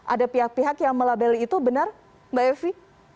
ada pihak pihak yang melabeli itu benar mbak evi